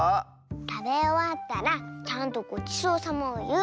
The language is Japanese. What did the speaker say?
たべおわったらちゃんとごちそうさまをいう。